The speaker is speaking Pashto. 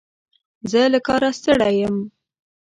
زه له کاره ستړی یم.